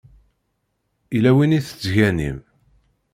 Yella win i tettganim?